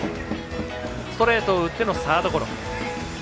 ストレートを打ってのサードゴロ。